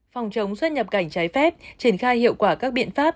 phòng chống xuất nhập cảnh trái phép triển khai hiệu quả các biện pháp